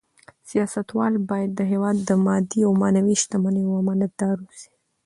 سیاستوال باید د هېواد د مادي او معنوي شتمنیو امانتدار اوسي.